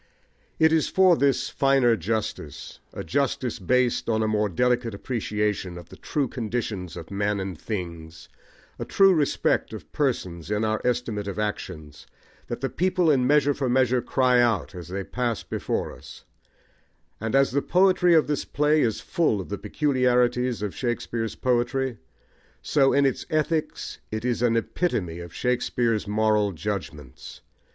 It is for this finer justice, a justice based on a more delicate appreciation of the true conditions of men and things, a true respect of persons in our estimate of actions, that the people in Measure for Measure cry out as they pass before us; and as the poetry of this play is full of the peculiarities of Shakespeare's poetry, so in its ethics it is an epitome of Shakespeare's moral judgments.